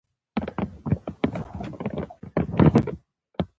قاضي د مشهور مصري لیکوال .